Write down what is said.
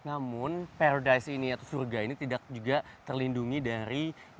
namun paradise ini atau surga ini tidak juga terlindungi dari banyak praktik praktik yang ada di sini